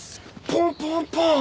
ポンポンポーン！